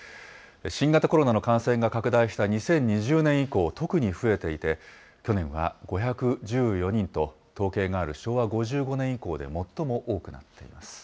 新型コロナの感染が拡大した２０２０年以降、特に増えていて、去年は５１４人と、統計がある昭和５５年以降で最も多くなっています。